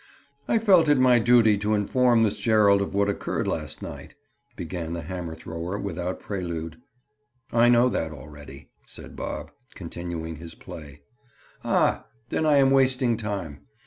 "I felt it my duty to inform Miss Gerald of what occurred last night," began the hammer thrower without prelude. "I know that already," said Bob, continuing his play. "Ah, then I am wasting time.